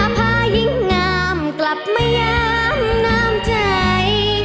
พายิ่งงามกลับมายามน้ำใจ